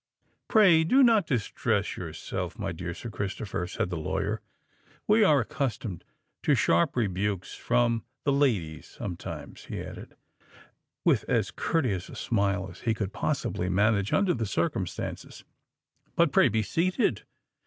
"Pray do not distress yourself, my dear Sir Christopher," said the lawyer. "We are accustomed to receive sharp rebukes from the ladies sometimes," he added, with as courteous a smile as he could possibly manage under the circumstances. "But pray be seated.